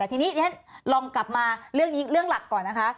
ทีนี้ลองกลับมาเรื่องนี้เรื่องหลักก่อนนะคะ